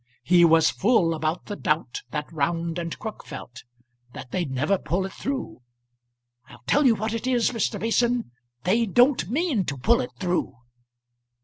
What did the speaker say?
He was full about the doubt that Round and Crook felt that they'd never pull it through. I'll tell you what it is, Mr. Mason, they don't mean to pull it through."